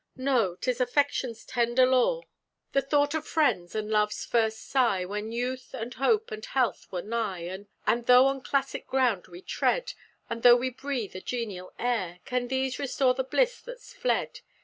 No! 'tis affection's tender lore The thought of friends, and love's first sigh, When youth, and hope, and health were nigh. What though on classic ground we tread, What though we breathe a genial air Can these restore the bliss that's fled?